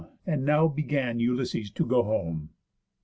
And now began Ulysses to go home.